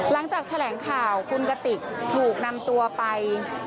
หลังจากแถลงข่าวคุณกติกถูกนำตัวไป